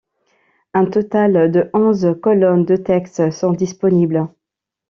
Un total de onze colonnes de texte sont disponibles.